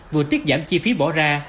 vừa tiết giảm chi phí bỏ ra